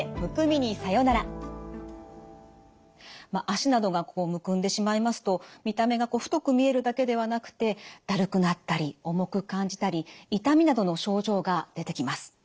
脚などがむくんでしまいますと見た目が太く見えるだけではなくてだるくなったり重く感じたり痛みなどの症状が出てきます。